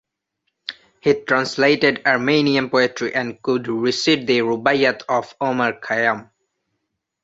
He translated Armenian poetry and could recite the "Rubaiyat" of Omar Khayyam.